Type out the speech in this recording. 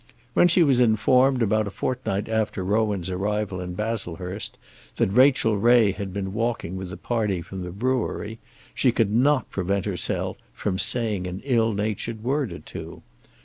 When she was informed about a fortnight after Rowan's arrival in Baslehurst that Rachel Ray had been walking with the party from the brewery, she could not prevent herself from saying an ill natured word or two.